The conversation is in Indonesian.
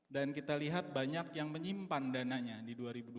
dan kita lihat banyak yang menyimpan dananya di dua ribu dua puluh